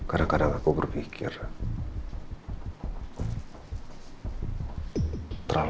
ini bukan apa apa